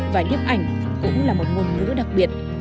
và nhếp ảnh cũng là một nguồn ngữ đặc biệt